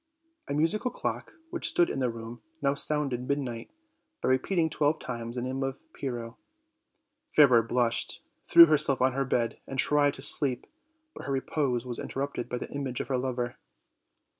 A musical clock, which stood in the room, now sounded midnight, by repeating twelve times the name of Pyrrho. Fairer blushed, thew herself on her bed and tried to sleep, but her repose was interrupted by the image of her lover.